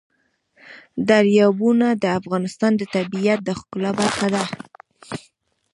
دریابونه د افغانستان د طبیعت د ښکلا برخه ده.